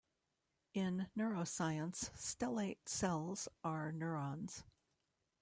In neuroscience, stellate cells are neurons.